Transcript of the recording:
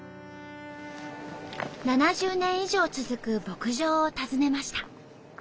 ７０年以上続く牧場を訪ねました。